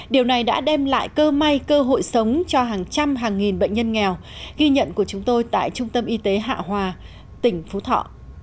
điều này đã đem lại cơ may cơ hội sống cho hàng trăm hàng nghìn bệnh nhân nghèo ghi nhận của chúng tôi tại trung tâm y tế hạ hòa tỉnh phú thọ